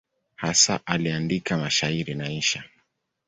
Hasa aliandika mashairi na insha.